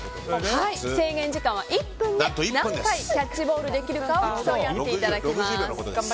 制限時間は１分で何回キャッチボールできるか競い合っていただきます。